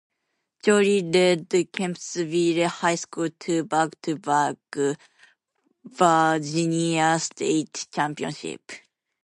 Jolley led Kempsville High School to back-to-back Virginia state championships.